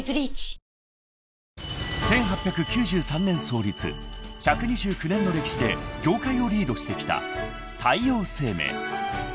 ［１２９年の歴史で業界をリードしてきた太陽生命］